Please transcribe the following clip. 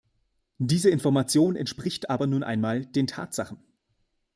Diese Information entspricht aber nun einmal den Tatsachen.